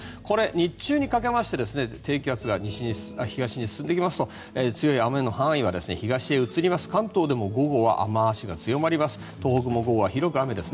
日中にかけまして低気圧が東に進んでいきますと強い雨の範囲は東へ移って関東でも午後は雨脚が強まり東北も午後は広く雨です。